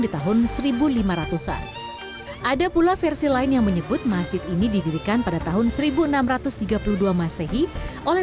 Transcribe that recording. di tahun seribu lima ratus an ada pula versi lain yang menyebut masjid ini didirikan pada tahun seribu enam ratus tiga puluh dua masehi oleh